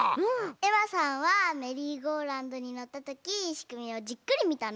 えまさんはメリーゴーラウンドにのったときしくみをじっくりみたの？